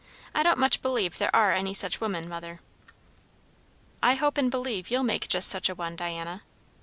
I don't much believe there are any such women, mother." "I hope and believe you'll make just such a one, Diana."